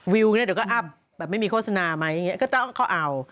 เดี๋ยวก็อัพแบบไม่มีโฆษณาไหมอย่างนี้ก็ต้องเขาเอา